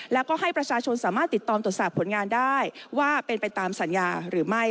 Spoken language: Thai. แล้วก็ให้ประชาชนสามารถติดตามตรวจสอบผลงานได้ว่าเป็นไปตามสัญญาหรือไม่